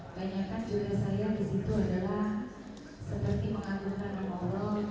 kayaknya kan juga saya disitu adalah seperti mengakibatkan orang